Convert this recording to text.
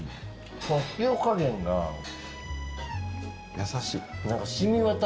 優しい。